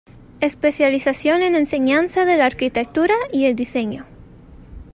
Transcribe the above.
Especialización en Enseñanza de la Arquitectura y el Diseño.